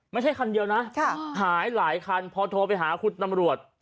ไม่ใช่คันเดียวนะหายหลายคันพอโทรไปหาคุณตำรวจ